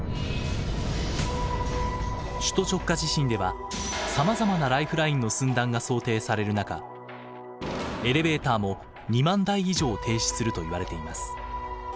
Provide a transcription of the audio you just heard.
首都直下地震ではさまざまなライフラインの寸断が想定される中エレベーターも２万台以上停止するといわれています。